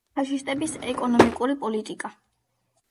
ფაშისტების ეკონომიკური პოლიტიკა.